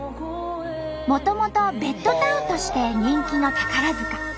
もともとベッドタウンとして人気の宝塚。